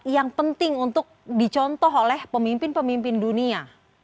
yang penting untuk dicontoh oleh pemimpin pemimpin dunia